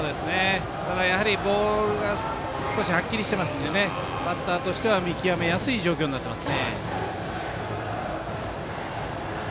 ただ、やはりボールが少しはっきりしてますのでバッターとしては見極めやすい状況になっています。